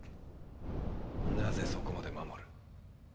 なぜそこまで守る？